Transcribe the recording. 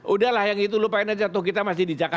udah lah yang itu lupain aja tuh kita masih di jalan